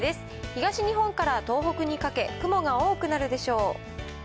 東日本から東北にかけ、雲が多くなるでしょう。